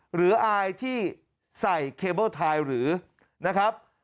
หรืออายที่ใส่เคเบิ้ลไทยหรือนะครับ